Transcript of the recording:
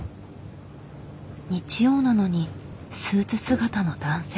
日曜なのにスーツ姿の男性。